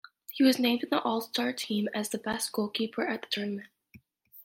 He was named in the all-star team as best goalkeeper at the tournament.